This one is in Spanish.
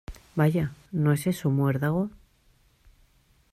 Vaya, ¿ no es eso muérdago?